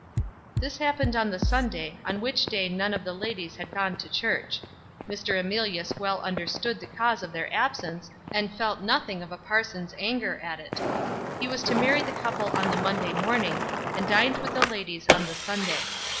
This happened on the Sunday, on which day none of the ladies had gone to church. Mr. Emilius well understood the cause of their absence, and felt nothing of a parson's anger at it. He was to marry the couple on the Monday morning, and dined with the ladies on the Sunday.